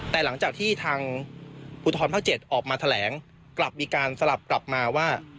แต่หลังจากที่ทางภูทรภาค๗ออกมาแถลงกลับมีการสลับกลับมาว่า